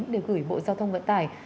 để gửi bộ giao thông vận tải